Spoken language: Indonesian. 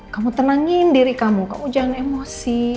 kamu tenangin diri kamu kamu jangan emosi